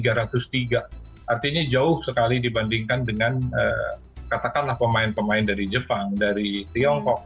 artinya jauh sekali dibandingkan dengan katakanlah pemain pemain dari jepang dari tiongkok